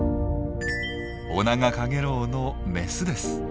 オナガカゲロウのメスです。